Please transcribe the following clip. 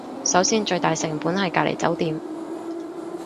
首先最大成本係隔離酒店